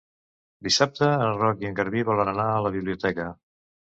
Dissabte en Roc i en Garbí volen anar a la biblioteca.